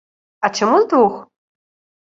А чаму з двух?